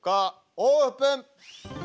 オープン！